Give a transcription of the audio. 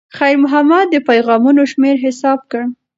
خیر محمد د پیغامونو شمېر حساب کړ.